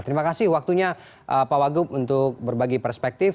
terima kasih waktunya pak wagub untuk berbagi perspektif